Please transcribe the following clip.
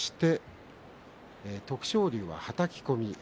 徳勝龍、はたき込み。